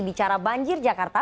bicara banjir jakarta